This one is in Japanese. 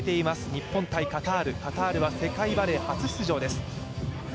日本×カタールカタールは世界バレー初出場です。